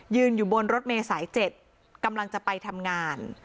อยู่บนรถเมย์สาย๗กำลังจะไปทำงาน